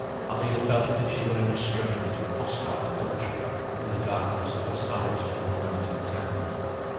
Alvina felt as if she were in a strange, hostile country, in the darkness of the savage little mountain town.